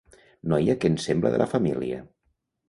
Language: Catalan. Noia que ens sembla de la família.